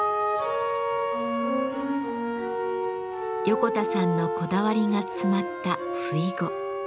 横田さんのこだわりが詰まったふいご。